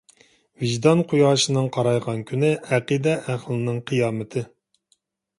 ۋىجدان قۇياشىنىڭ قارايغان كۈنى ئەقىدە ئەھلىنىڭ قىيامىتى.